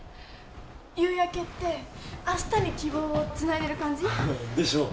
夕焼けって明日に希望をつなげる感じ？でしょ？